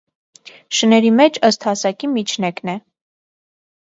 Շների մեջ ըստ հասակի միջնեկն է։